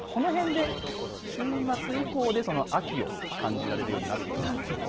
週末以降で秋を感じられるようになってくると思います。